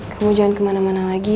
kamu jangan kemana mana lagi